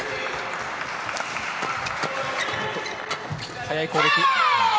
速い攻撃。